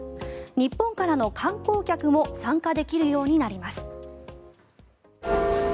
日本からの観光客も参加できるようになります。